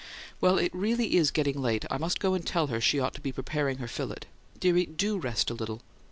Well, it really is getting late: I must go and tell her she ought to be preparing her fillet. Dearie, DO rest a little."